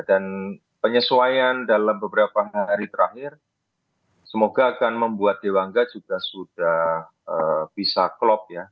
dan penyesuaian dalam beberapa hari terakhir semoga akan membuat dewangga juga sudah bisa klop ya